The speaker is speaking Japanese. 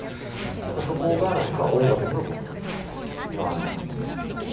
そこが音楽にも僕にはあるんですけどね。